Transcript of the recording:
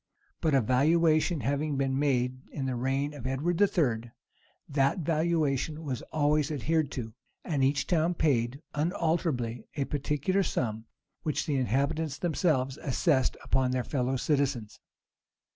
[*] But a valuation having been made in the reign of Edward III., that valuation was always adhered to, and each town paid unalterably a particular sum, which the inhabitants themselves assessed upon their fellow citizens.